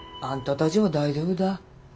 だちは大丈夫だ。